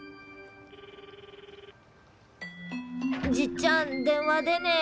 ☎じっちゃん電話出ねえ。